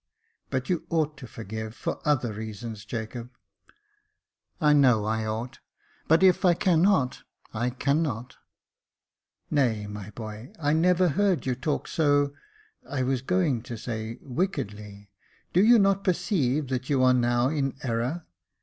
" But you ought to forgive, for other reasons, Jacob." " I know I ought — but if I cannot, I cannot." " Nay, my boy, I never heard you talk so — I was going to say — wickedly. Do you not perceive that you are now in error